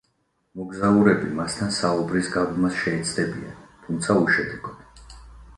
მოგზაურები მასთან საუბრის გაბმას შეეცდებიან, თუმცა უშედეგოდ.